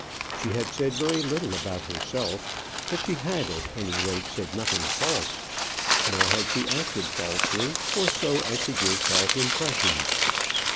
She had said very little about herself, but she had at any rate said nothing false. Nor had she acted falsely; or so as to give false impressions.